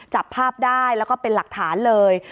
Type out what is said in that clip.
จับภาพได้แล้วก็เป็นหลักฐานเลย